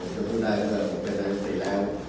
จะ็บอกได้คุณแบบว่าผมเป็นดิจิแล้ว